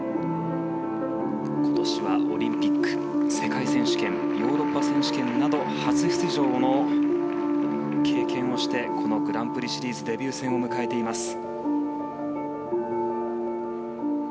今年はオリンピック世界選手権ヨーロッパ選手権など初出場の経験をしてこのグランプリシリーズデビュー戦を迎えています。